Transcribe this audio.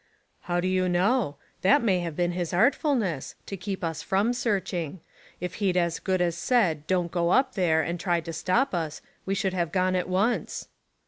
"How do you know? That may have been his artfulness, to keep us from searching. If he'd as good as said don't go up there, and tried to stop us, we should have gone at once."